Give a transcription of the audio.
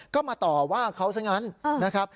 ก็มาต่อว่าเขาซะงั้นนะครับ